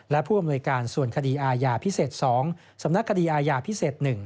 และผู้อำนวยการส่วนคดีอาญาพิเศษ๒สำนักคดีอาญาพิเศษ๑